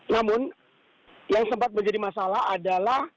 namun yang sempat menjadi masalah adalah